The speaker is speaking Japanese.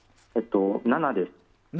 ７です。